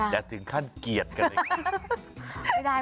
อยากถึงขั้นเกียรติกันอีก